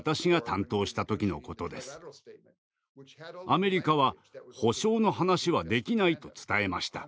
アメリカは「保障」の話はできないと伝えました。